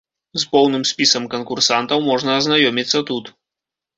З поўным спісам канкурсантаў можна азнаёміцца тут.